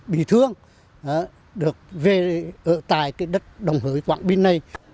bệnh viện đã được xây dựng quy mô tại quảng bình